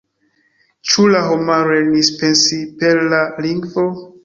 Ĉu la homaro lernis pensi per la lingvo?